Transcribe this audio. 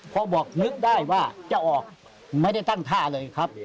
พอบอกนึกได้ว่าจะออกไม่ได้ตั้งท่าเลยครับ